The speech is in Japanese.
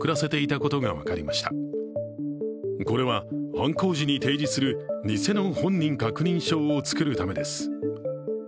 これは犯行時に提示する偽の本人確認証を作るためです。